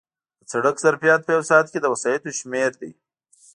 د سړک ظرفیت په یو ساعت کې د وسایطو شمېر دی